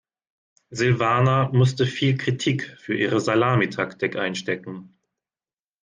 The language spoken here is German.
Silvana musste viel Kritik für ihre Salamitaktik einstecken.